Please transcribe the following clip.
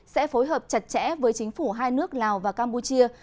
sẽ phối hợp chặt chẽ với chính phủ hai nước lào và campuchia